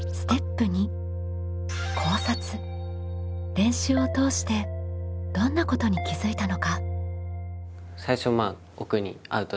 練習を通してどんなことに気づいたのか？